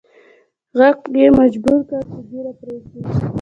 ږغ یې مجبور کړ چې ږیره پریږدي